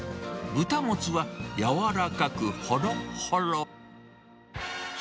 豚モツは、やわらかくほろっほろ。